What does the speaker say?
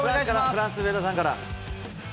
フランスの上田さんから。